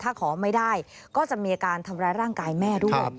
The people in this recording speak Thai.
ถ้าขอไม่ได้ก็จะมีอาการทำร้ายร่างกายแม่ด้วย